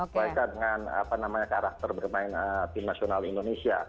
baiklah dengan apa namanya karakter bermain tim nasional indonesia